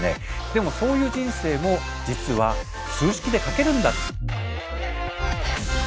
でもそういう人生も実は数式で書けるんだ。